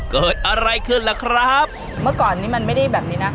เกิดอะไรขึ้นล่ะครับเมื่อก่อนนี้มันไม่ได้แบบนี้นะ